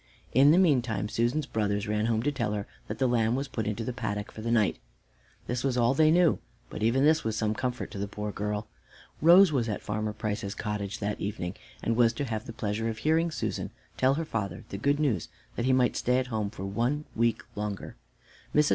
In the meantime Susan's brothers ran home to tell her that the lamb was put into the paddock for the night. This was all they knew, but even this was some comfort to the poor girl. Rose was at Farmer Price's cottage that evening, and was to have the pleasure of hearing Susan tell her father the good news that he might stay at home for one week longer. Mrs.